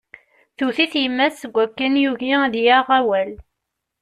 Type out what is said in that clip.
Tewwet-it yemma-s seg wakken yugi ad yaɣ awal.